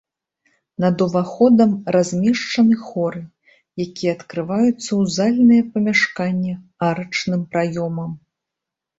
Над уваходам размешчаны хоры, якія адкрываюцца ў зальнае памяшканне арачным праёмам.